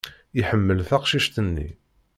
Iḥemmel taqcict-nni.